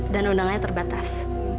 dan undangannya terbatas